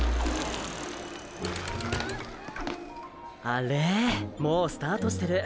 あっれもうスタートしてる。